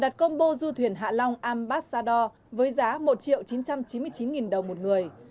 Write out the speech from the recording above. tuyển hạ long ambassador với giá một triệu chín trăm chín mươi chín nghìn đồng một người